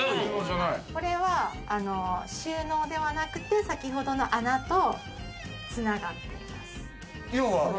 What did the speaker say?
これは収納ではなくって、先ほどの穴と繋がっています。